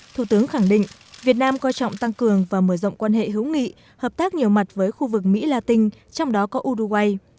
thủ tướng khẳng định việt nam coi trọng tăng cường và mở rộng quan hệ hữu nghị hợp tác nhiều mặt với khu vực mỹ la tinh trong đó có uruguay